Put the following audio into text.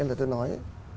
là tôi nói